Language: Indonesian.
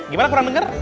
gimana kurang denger